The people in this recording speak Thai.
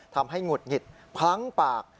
ทำให้หงุดหงิดพ้้างปาก